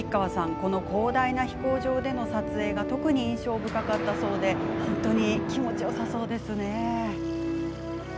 この広大な飛行場での撮影は特に印象深かったそうで気持ちよさそうですね。